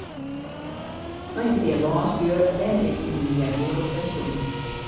Mei in pear lânslju wenne ik yn in earmoedich pensjon.